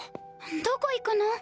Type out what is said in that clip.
どこ行くの？